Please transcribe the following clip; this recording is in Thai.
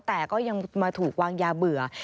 แต่ก็ยังมาถูกวางยาเบื่อ